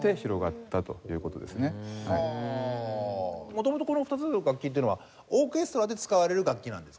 元々この２つの楽器っていうのはオーケストラで使われる楽器なんですか？